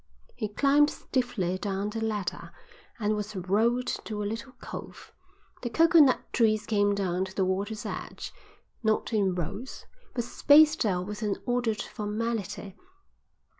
He climbed stiffly down the ladder and was rowed to a little cove. The coconut trees came down to the water's edge, not in rows, but spaced out with an ordered formality.